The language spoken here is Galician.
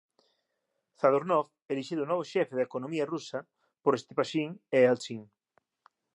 Zadornov, elixido novo 'xefe' da economía rusa por Stepashin e Eltsin